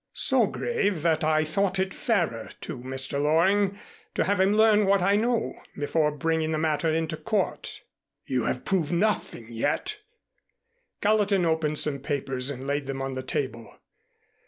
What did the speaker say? "So grave that I thought it fairer to Mr. Loring to have him learn what I know, before bringing the matter into court." "You have proved nothing yet." Gallatin opened some papers and laid them on the table.